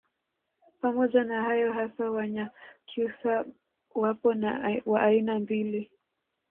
Pamoja na hayo hasa Wanyakyusa wapo wa aina mbili